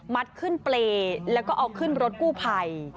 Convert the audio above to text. ขึ้นเปรย์แล้วก็เอาขึ้นรถกู้ภัย